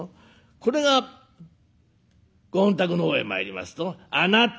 これがご本宅の方へ参りますと「あなた！」。